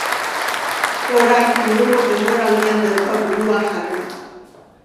Orain hurrengo denboraldian dauka burua jarrita.